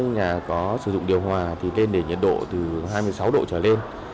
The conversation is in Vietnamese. nhà có sử dụng điều hòa thì tên để nhiệt độ từ hai mươi sáu độ trở lên